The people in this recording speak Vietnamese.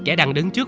kẻ đang đứng trước